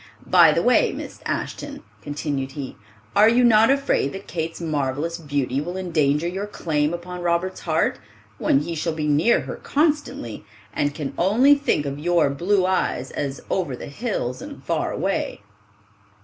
By the way, Miss Ashton," continued he, "are you not afraid that Kate's marvelous beauty will endanger your claim upon Robert's heart, when he shall be near her constantly, and can only think of your blue eyes as 'over the hills and far away?